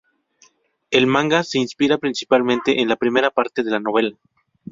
El manga se inspira principalmente en la primera parte de la novela.